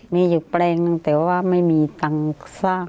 มีอยู่แปลงนึงแต่ว่าไม่มีตังค์สร้าง